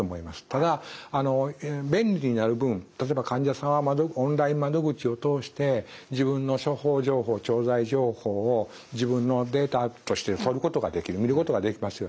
ただ便利になる分例えば患者さんはオンライン窓口を通して自分の処方情報調剤情報を自分のデータとして取ることができる見ることができますよね。